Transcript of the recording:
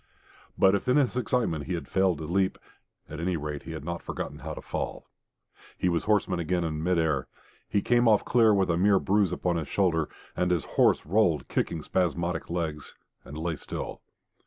But if in his excitement he had failed to leap, at any rate he had not forgotten how to fall. He was horseman again in mid air. He came off clear with a mere bruise upon his shoulder, and his horse rolled, kicking spasmodic legs, and lay still.